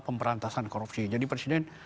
pemperantasan korupsi jadi presiden